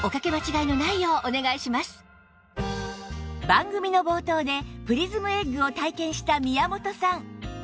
番組の冒頭でプリズムエッグを体験した宮本さん